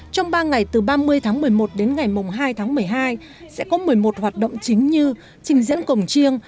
trong ba ngày từ ba mươi tháng một mươi một đến ngày hai tháng một mươi hai sẽ có một mươi một hoạt động chính như trình diễn cổng chiêng